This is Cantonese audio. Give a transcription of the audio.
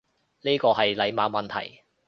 呢個係禮貌問題